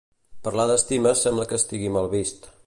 Parlar d'estima sembla que estigui mal vist.